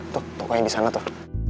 tuh tokonya disana tuh